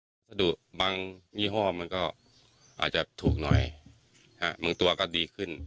วัสดุบางยี่ห้อมันก็อาจจะถูกหน่อยบางตัวก็ดีขึ้น